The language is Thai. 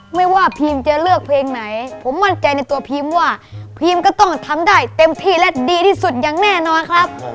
ไม่ว่าพีมจะเลือกเพลงไหนผมมั่นใจในตัวพีมว่าพีมก็ต้องทำได้เต็มที่และดีที่สุดอย่างแน่นอนครับ